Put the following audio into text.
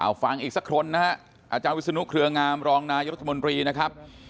เอาฟังอีกสักคนนะฮะอาจารย์วิศนุเครืองามรองนายรัฐมนตรีนะครับ